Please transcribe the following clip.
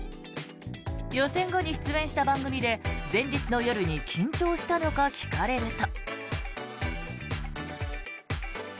予選後に出演した番組で前日の夜に緊張したのか聞かれると。